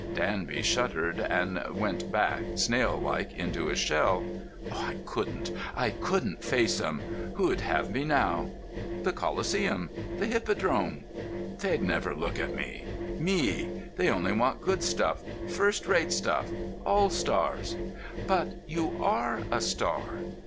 Danby shuddered, and went back, snail like, into his shell. "I couldn't. I couldn't face 'em. Who'd have me now?" "The Coliseum; the Hippodrome." "They'd never look at me. Me? They only want good stuff—first rate stuff—all stars." "But you are a star!"